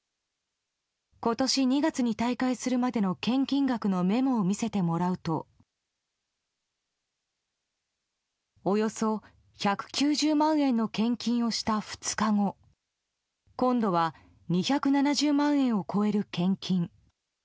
今年２月に退会するまでの献金額のメモを見せてもらうとおよそ１９０万円の献金をした２日後今度は２７０万円を超える献金。